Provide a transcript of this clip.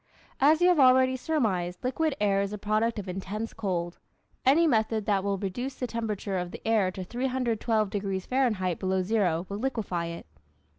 As you have already surmised, liquid air is a product of intense cold. Any method that will reduce the temperature of the air to 312 degrees Fahrenheit below zero will liquefy it.